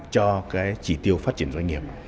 cho chỉ tiêu phát triển doanh nghiệp